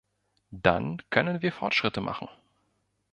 Dann können wir Fortschritte machen.